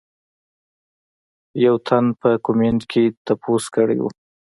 يو تن پۀ کمنټ کښې تپوس کړے وۀ